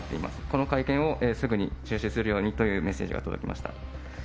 この会見をすぐに中止するようにというメッセージが届きました。